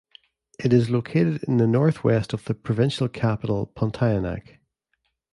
It is located in the northwest of the provincial capital Pontianak.